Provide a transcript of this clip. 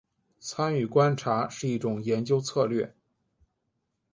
参与观察是一种研究策略。